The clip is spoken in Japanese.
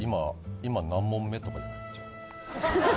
「今何問目？」とか言っちゃう。